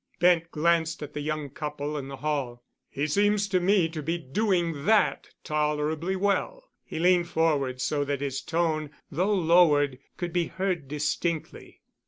Bent glanced at the young couple in the hall. "He seems to me to be doing that tolerably well." He leaned forward so that his tone, though lowered, could be heard distinctly.